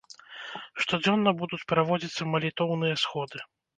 Штодзённа будуць праводзіцца малітоўныя сходы.